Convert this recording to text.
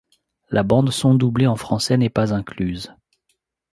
La bande son doublée en français n'est pas incluse.